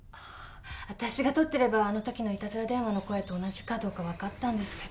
あたしが取ってればあのときのイタズラ電話の声と同じか分かったんですけど。